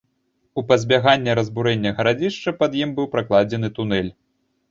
У пазбяганне разбурэння гарадзішча пад ім быў пракладзены тунэль.